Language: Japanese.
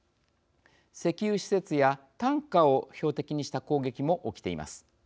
石油施設やタンカーを標的にした攻撃も起きています。